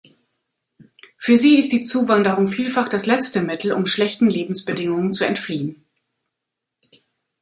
Für sie ist die Zuwanderung vielfach das letzte Mittel, um schlechten Lebensbedingungen zu entfliehen.